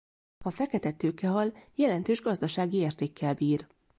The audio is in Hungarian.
A fekete tőkehal jelentős gazdasági értékkel bír.